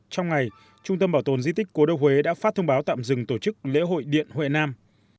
trong ngày trung tâm bảo tồn di tích cố đô huế đã phát thông báo tạm dừng tổ chức lễ hội điện huệ nam